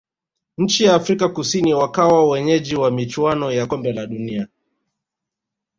nchi ya afrika kusini wakawa wenyeji wa michuano ya kombe la dunia